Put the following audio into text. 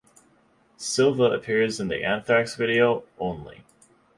Silva appears in the Anthrax video "Only".